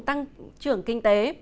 tăng trưởng kinh tế